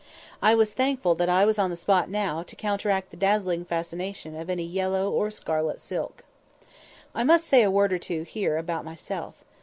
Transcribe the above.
I was thankful that I was on the spot now, to counteract the dazzling fascination of any yellow or scarlet silk. I must say a word or two here about myself.